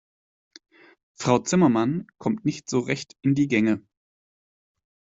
Frau Zimmermann kommt nicht so recht in die Gänge.